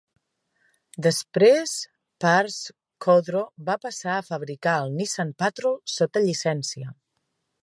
Després, Pars Khodro va passar a fabricar el Nissan Patrol sota llicència.